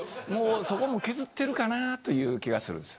そこも削ってるかなという気がするんです。